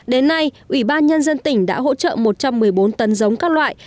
đến nay ủy ban nhân dân tỉnh đã hỗ trợ một trăm một mươi bốn tấn giống các loại